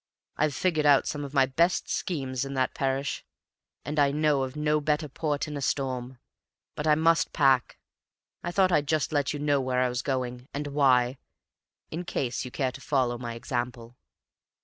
I've figured out some of my best schemes in that parish, and I know of no better port in a storm. But I must pack. I thought I'd just let you know where I was going, and why, in case you cared to follow my example."